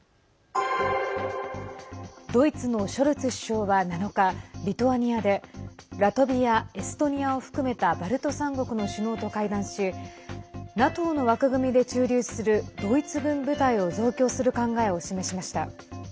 ドイツのショルツ首相は７日リトアニアでラトビア、エストニアを含めたバルト３国の首脳と会談しＮＡＴＯの枠組みで駐留するドイツ軍部隊を増強する考えを示しました。